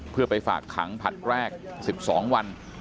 เพื่อไปฝากขังผลัดแรก๑๒วัน